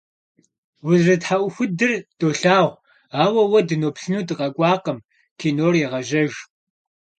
Узэрытхьэӏухудыр долъагъу, ауэ уэ дыноплъыну дыкъэкӏуакъым, кинор егъэжьэж.